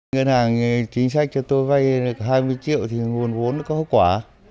ngân hàng chính sách cho tôi vay hai mươi triệu thì nguồn vốn có hợp quả